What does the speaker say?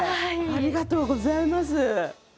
ありがとうございます。